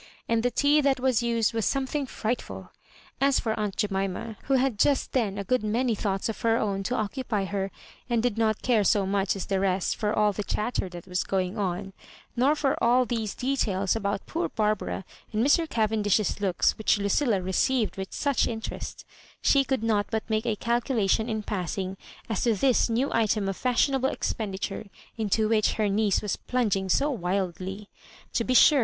And the tea that was used was something frightful As for aunt Jemima^ who had just then a good many thoughts of her own to occupy her, and did not care so much as the rest for all the chatter that was going on, nor for aU those de tails about poor Barbara and Mr. Cavendish's looks which Lucilla received with such interest, she could not but make a calculation in passing as to this new item of fashionable expenditure into which her niece wa& plung^ing so wildly. To be sure.